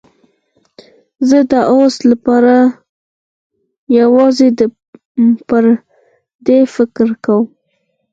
زه د اوس لپاره یوازې پر دې فکر کوم.